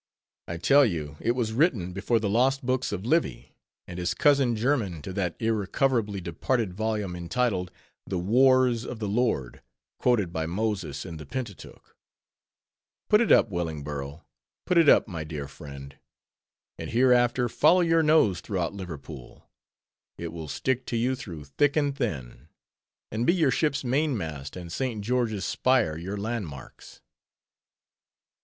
I tell you it was written before the lost books of Livy, and is cousin german to that irrecoverably departed volume, entitled, "The Wars of the Lord" quoted by Moses in the Pentateuch. Put it up, Wellingborough, put it up, my dear friend; and hereafter follow your nose throughout Liverpool; it will stick to you through thick and thin: and be your ship's mainmast and St. George's spire your landmarks.